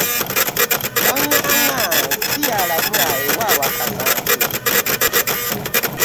Wanganga si yalamula ew'akasanke .